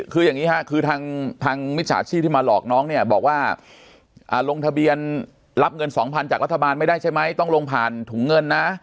คืออย่างนี้ค่ะคือทางมิจฉาชีพที่มาหลอกน้องเนี่ยบอกว่าลงทะเบียนรับเงิน๒๐๐๐จากรัฐบาลไม่ได้ใช่ไหมต้องลงผ่านถุงเงินนะ